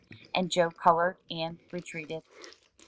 And Joe colored and retreated.